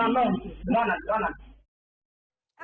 มันบะ